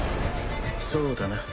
そうだな。